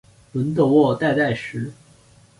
伦德沃代代什。